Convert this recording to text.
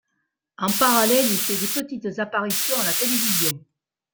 En parallèle, il fait des petites apparitions à la télévision.